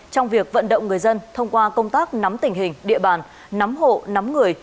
trong việc vận động người dân thông qua công tác nắm tình hình địa bàn nắm hộ nắm người